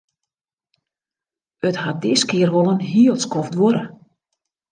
It hat diskear wol in hiel skoft duorre.